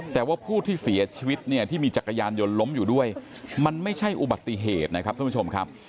แต่ว่าผู้ที่เสียชีวิตเนี่ยที่มีจักรยานยนต์ล้มอยู่ด้วยมันไม่ใช่อุบัติเหตุนะครับท่านผู้ชมครับ